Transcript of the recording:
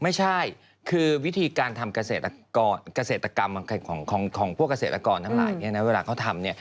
ไม่ใช่คือวิธีการทำเกษตรกรรมของพวกเกษตรกรทั้งหลายเนี่ยนะเวลาเขาทำเนี่ย